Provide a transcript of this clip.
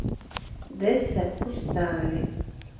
Десса пуста ыле.